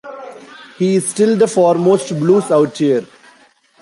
He is still the foremost blues auteur.